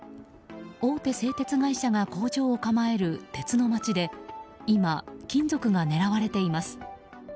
大手製鉄会社が工場を構える鉄の街で今、金属が狙われています。